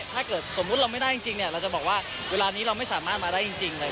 ถ้าเกิดสมมุติเราไม่ได้จริงจริงเนี้ยเราจะบอกว่าเวลานี้เราไม่สามารถมาได้จริงจริงเลยอย่าง